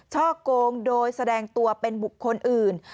ช่อกงโดยแสดงตัวเป็นบุคคลอื่น